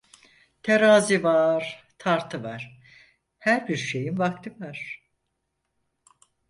Terazi var, tartı var; her bir şeyin vakti var.